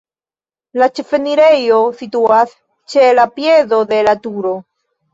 La ĉefenirejo situas ĉe la piedo de la turo.